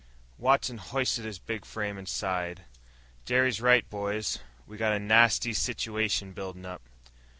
Watson hoisted his big frame, and sighed. "Jerry's right, boys. We got a nasty situation building up.